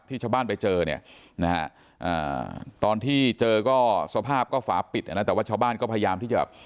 ชาวบ้านไปเจอเนี่ยนะฮะตอนที่เจอก็สภาพก็ฝาปิดนะแต่ว่าชาวบ้านก็พยายามที่จะแบบ